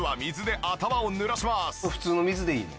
普通の水でいいの？